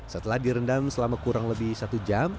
setelah direndam selama kurang lebih satu jam